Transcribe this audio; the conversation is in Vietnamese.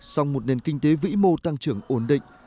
song một nền kinh tế vĩ mô tăng trưởng ổn định